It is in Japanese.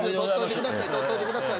撮っといてください